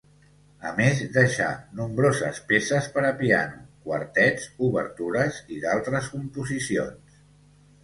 A més deixà, nombroses peces per a piano, quartets, obertures i d'altres composicions.